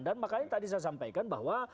dan makanya tadi saya sampaikan bahwa